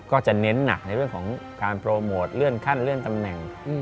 ก็จะเน้นหนักในเรื่องของการโปรโมทเลื่อนขั้นเลื่อนตำแหน่ง